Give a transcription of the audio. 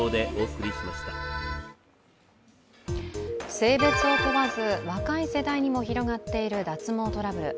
性別を問わず若い世代にも広がっている脱毛トラブル。